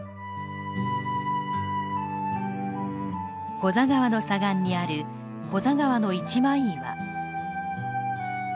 古座川の左岸にある古座川の一枚岩。